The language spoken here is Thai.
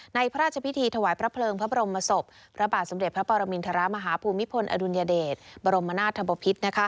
พระราชพิธีถวายพระเพลิงพระบรมศพพระบาทสมเด็จพระปรมินทรมาฮภูมิพลอดุลยเดชบรมนาธบพิษ